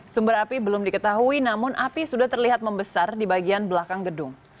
sumber api belum diketahui namun api sudah terlihat membesar di bagian belakang gedung